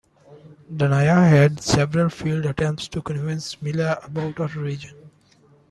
Danaya had several failed attempts to convince Mila about her origin.